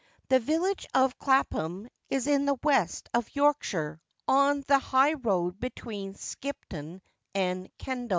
The village of Clapham is in the west of Yorkshire, on the high road between Skipton and Kendal.